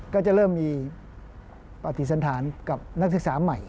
ก็จะเริ่มมีปฏิสันธารกับนักศึกษาใหม่